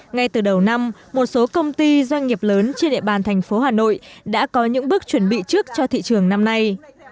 ngay từ đầu năm một số công ty doanh nghiệp lớn trên địa bàn thành phố hà nội đã có những bước chuẩn bị trước cho thị trường năm nay